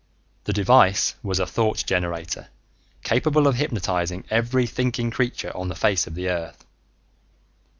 The device was a thought generator capable of hypnotizing every thinking creature on the face of the earth.